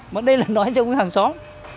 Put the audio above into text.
mà đây là nói cho người hàng xóm